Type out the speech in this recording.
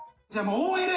ＯＬ